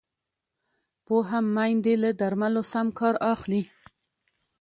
پوهه میندې له درملو سم کار اخلي۔